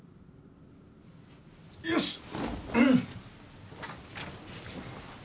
よしっ。